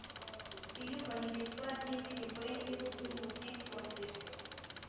iyubahirizwa ry ‘indirimbo y ‘igihugu muryitondere.